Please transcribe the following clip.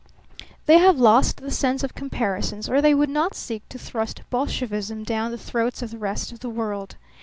They have lost the sense of comparisons or they would not seek to thrust Bolshevism down the throats of the rest of the world.